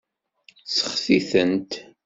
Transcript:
Seɣti-tent.